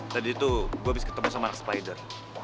tadi tuh gue abis ketemu sama anak spider